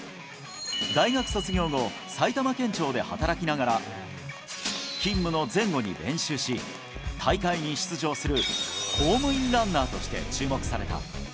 大学卒業後、埼玉県庁で働きながら、勤務の前後に練習し、大会に出場する、公務員ランナーとして注目された。